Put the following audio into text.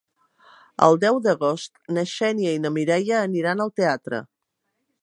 El deu d'agost na Xènia i na Mireia aniran al teatre.